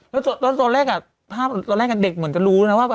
แล้วตอนแรกภาพตอนแรกเด็กเหมือนจะรู้นะว่า